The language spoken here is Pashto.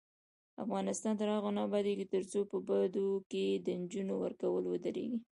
افغانستان تر هغو نه ابادیږي، ترڅو په بدو کې د نجونو ورکول ودریږي.